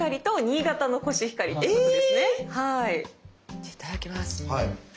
じゃいただきます。